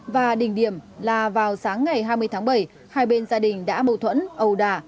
và đỉnh điểm là vào sáng ngày hai mươi tháng bảy hai bên gia đình đã mâu thuẫn ầu đà